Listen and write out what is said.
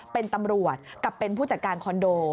เป็นตำรวจกับเป็นผู้จัดการคอนโด